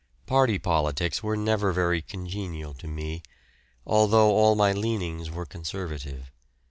"Party" politics were never very congenial to me, although all my leanings were Conservative.